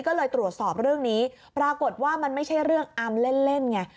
ก็เลยตรวจสอบเรื่องนี้ปรากฏว่ามันไม่ใช่เรื่องอามเล่นเล่นไง